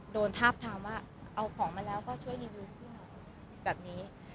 ทาบทามว่าเอาของมาแล้วก็ช่วยรีวิวพี่หนูแบบนี้